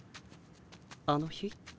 あの日？